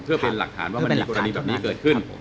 เพื่อเป็นหลักฐานว่ามันมีกรณีแบบนี้เกิดขึ้น